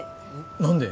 何で？